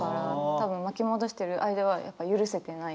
多分巻き戻してる間は許せてない。